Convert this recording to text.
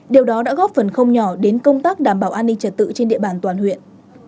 điều đó đã góp phần không nhỏ đến công tác đảm bảo an ninh trật tự trên địa bàn toàn huyện